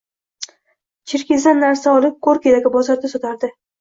Cherkizdan narsa olib, Gorkiydagi bozorda sotardi.